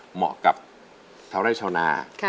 เหมาะกับเท่าไหร่ชาวนา